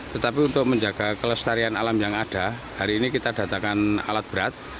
tetapi untuk menjaga kelestarian alam yang ada hari ini kita datangkan alat berat